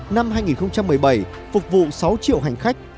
năm hai nghìn một mươi bảy phục vụ sáu triệu hành khách